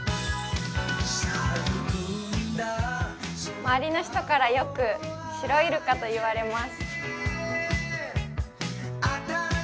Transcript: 周りの人からよく、シロイルカと言われます。